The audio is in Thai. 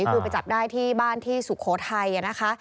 คือไปจับได้ที่บ้านที่สุโขทัยนะคะ